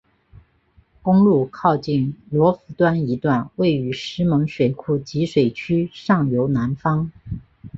公路靠近罗浮端一段位于石门水库集水区上游南方。